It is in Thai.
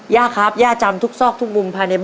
ย่าครับย่าจำทุกซอกทุกมุมภายในบ้าน